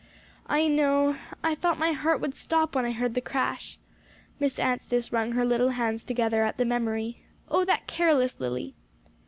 "I know; I thought my heart would stop when I heard the crash." Miss Anstice wrung her little hands together at the memory. "Oh, that careless Lily!"